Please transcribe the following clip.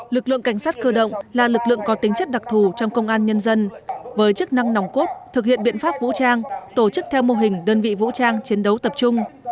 lực lượng cảnh sát cơ động là lực lượng có tính chất đặc thù trong công an nhân dân với chức năng nòng cốt thực hiện biện pháp vũ trang tổ chức theo mô hình đơn vị vũ trang chiến đấu tập trung